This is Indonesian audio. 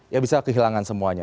ya bisa kehilangan semuanya